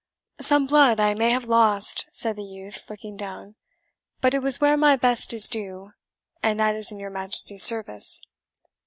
"Some blood I may have lost," said the youth, looking down, "but it was where my best is due, and that is in your Majesty's service."